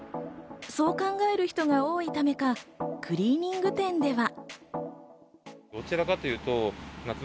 そう考える人が多いためか、クリーニング店では。